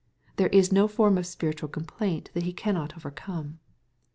There is no form of spiritual complaint that He cannot overcome.